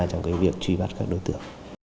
trong việc trụi bắt các đối tượng